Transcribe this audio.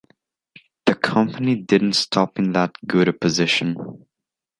The company didn’t stop in that good a position.